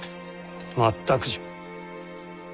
全くじゃ。